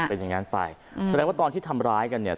เป็นอย่างนั้นไปแสดงว่าตอนที่ทำร้ายกันเนี่ย